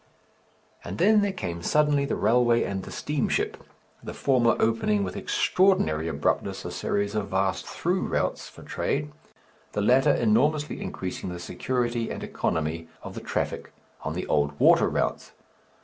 And then there came suddenly the railway and the steamship, the former opening with extraordinary abruptness a series of vast through routes for trade, the latter enormously increasing the security and economy of the traffic on the old water routes.